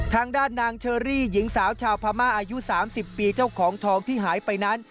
ทางด้านนางเชอรี่หญิงสาวชาวพม่าอายุ๓๐ปีเจ้าของทองที่หายไปนั้น